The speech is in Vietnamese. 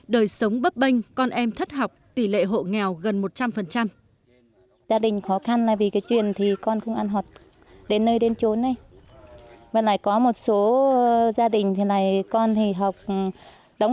đời sống bấp bênh con em thất học tỷ lệ hộ nghèo gần một trăm linh